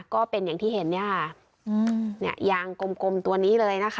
ก็เป็นอย่างที่เห็นเนี่ยค่ะเนี่ยยางกลมตัวนี้เลยนะคะ